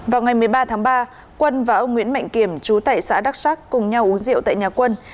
vào ngày một mươi ba tháng ba quân và ông nguyễn mạnh kiểm chú tại xã đắk sắc cùng nhau uống rượu tại nhà quân